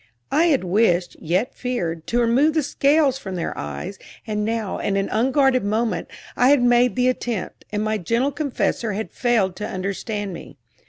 I had wished, yet feared, to remove the scales from their eyes; and now, in an unguarded moment, I had made the attempt, and my gentle confessor had failed to understand me.